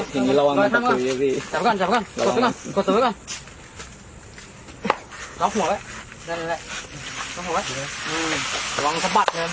เออส่งรายใหญ่ด้วยรายวาธนาด้วยเดี๋ยวมันแบกกันด้วย